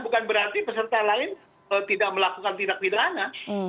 bukan berarti peserta lain tidak melakukan tindak pidana